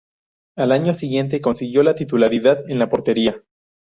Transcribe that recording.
Al año siguiente consiguió la titularidad en la portería.